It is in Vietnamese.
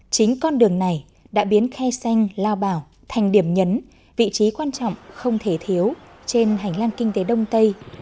chính con đường này đã biến khe xanh lao bảo thành điểm nhấn vị trí quan trọng không thể thiếu trên hành lang kinh tế đông tây